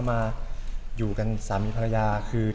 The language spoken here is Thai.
มาอยู่กันซามีพลรยา